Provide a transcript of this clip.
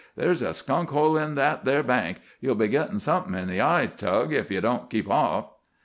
"There's a skunk hole in that there bank. Ye'll be gittin' somethin' in the eye, Tug, ef ye don't keep off."